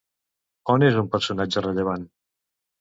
On és un personatge rellevant?